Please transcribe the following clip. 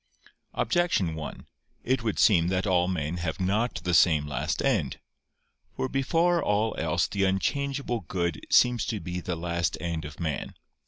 Objection 1: It would seem that all men have not the same last end. For before all else the unchangeable good seems to be the last end of man.